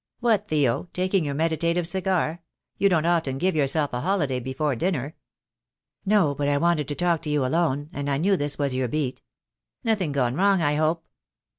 "What, Theo, taking your meditative cigar? You don't often give yourself a holiday before dinner." "No, but I wanted to talk to you alone, and I knew this was your beat." "Nothing gone wrong, I hope."